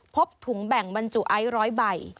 พบถุงแบ่งบรรจุไอซ์๑๐๐ใบ